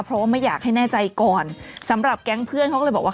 เพราะว่าไม่อยากให้แน่ใจก่อนสำหรับแก๊งเพื่อนเขาก็เลยบอกว่า